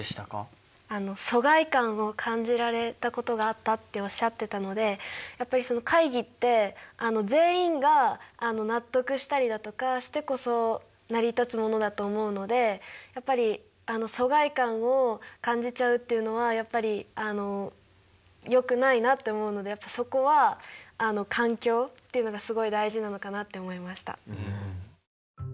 疎外感を感じられたことがあったっておっしゃってたのでやっぱりその会議って全員が納得したりだとかしてこそ成り立つものだと思うのでやっぱり疎外感を感じちゃうっていうのはやっぱりよくないなって思うのでそこは環境っていうのがすごい大事なのかなって思いました。